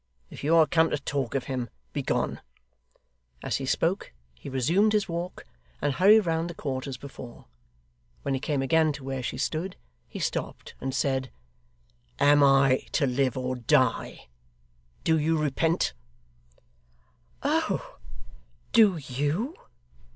If you are come to talk of him, begone!' As he spoke he resumed his walk, and hurried round the court as before. When he came again to where she stood, he stopped, and said, 'Am I to live or die? Do you repent?' 'Oh! do YOU?